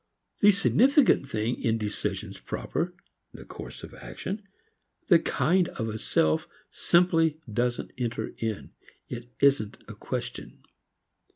The significant thing in decisions proper, the course of action, the kind of a self simply, doesn't enter in; it isn't in question.